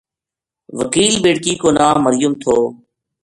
وکیل بیٹکی کو ناں مریم تھو